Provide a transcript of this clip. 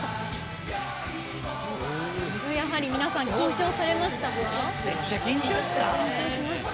やはり皆さん緊張されましたか？